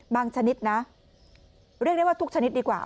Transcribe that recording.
ชนิดนะเรียกได้ว่าทุกชนิดดีกว่า